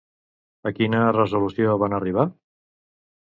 A quina resolució van arribar?